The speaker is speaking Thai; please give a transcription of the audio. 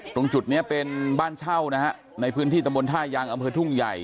ตรงจุดนี้เป็นบ้านเช่านะฮะในพื้นที่ตำบลท่ายางอำเภอทุ่งใหญ่